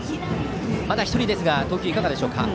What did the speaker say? まだ１人ですが投球いかがですか。